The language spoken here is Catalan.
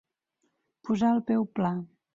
Posar el peu pla.